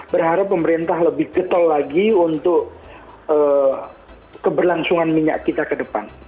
berharap pemerintah lebih getol lagi untuk keberlangsungan minyak kita ke depan